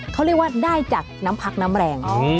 เขาเรียกว่าได้จากน้ำพักน้ำแรง